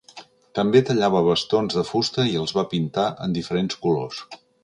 També tallava bastons de fusta i els va pintar en diferents colors.